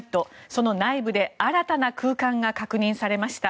その内部で新たな空間が確認されました。